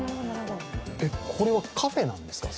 これはカフェなんですか？